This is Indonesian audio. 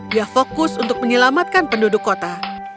dia fokus untuk menyelamatkan penduduk kota